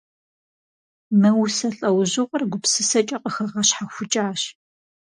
Мы усэ лӀэужьыгъуэр гупсысэкӏэ къыхэгъэщхьэхукӀащ.